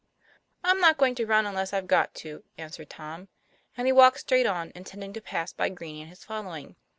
"I'm not going to run, unless I've got to, " answered Tom; and he walked straight on, intending to pass by Green and his following.